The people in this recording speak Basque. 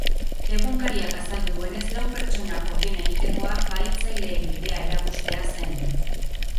Egunkariak azaldu duenez, lau pertsona horien egitekoa bahitzaileei bidea erakustea zen.